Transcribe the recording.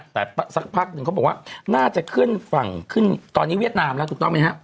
แต่สักพักหนึ่งเขาบอกว่าน่าจะขึ้นฝั่งขึ้นตอนนี้เวียดนามแล้วถูกต้องไหมฮะ